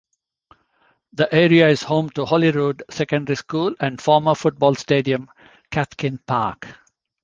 The area is home to Holyrood Secondary School and former football stadium Cathkin Park.